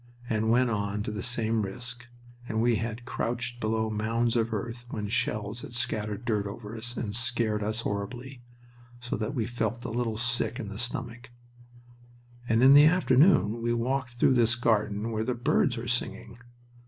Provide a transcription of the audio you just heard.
and went on to the same risk; and we had crouched below mounds of earth when shells had scattered dirt over us and scared us horribly, so that we felt a little sick in the stomach "and in the afternoon we walk through this garden where the birds are singing...